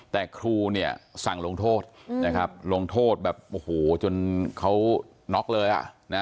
แต่ครูเนี่ยสั่งลงโทษนะครับลงโทษแบบโอ้โหจนเขาน็อกเลยอ่ะนะ